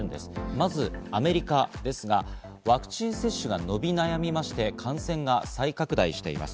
まずアメリカですが、ワクチン接種が伸び悩みまして感染が再拡大しています。